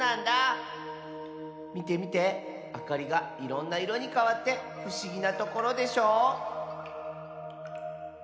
みてみてあかりがいろんないろにかわってふしぎなところでしょう！